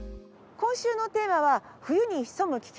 今週のテーマは冬に潜む危険。